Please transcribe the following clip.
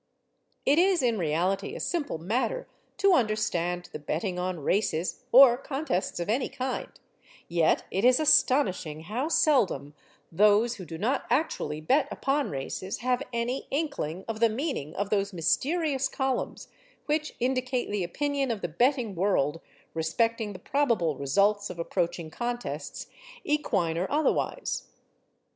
It is in reality a simple matter to understand the betting on races (or contests of any kind), yet it is astonishing how seldom those who do not actually bet upon races have any inkling of the meaning of those mysterious columns which indicate the opinion of the betting world respecting the probable results of approaching contests, equine or otherwise.